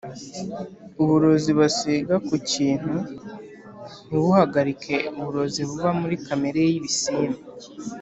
uburozi basiga ku kintu ntibuhagarike uburozi buba muri kamere y’ibisimba